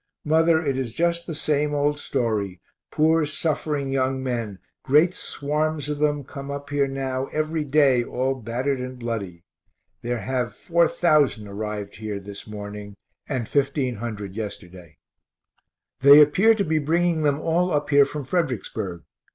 Mother, it is just the same old story; poor suffering young men, great swarms of them, come up here now every day all battered and bloody there have 4000 arrived here this morning, and 1500 yesterday. They appear to be bringing them all up here from Fredericksburg.